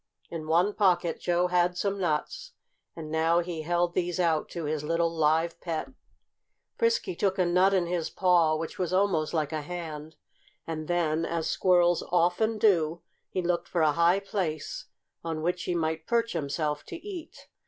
In one pocket Joe had some nuts, and now he held these out to his little live pet. Frisky took a nut in his paw, which was almost like a hand, and then, as squirrels often do, he looked for a high place on which he might perch himself to eat.